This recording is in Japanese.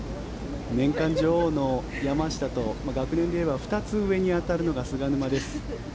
年間女王の山下と学年で言えば２つ上に当たるのが菅沼です。